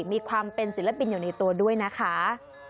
มีความเป็นศิลปินอยู่ในตัวด้วยนะคะ